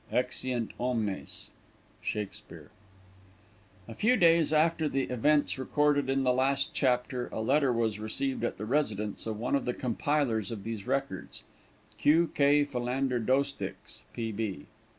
[Exeunt Omnes.] SHAKESPEARE. A few days after the events recorded in the last chapter, a letter was received at the residence of one of the compilers of these records, superscribed Q.K. PHILANDER DOESTICKS, P.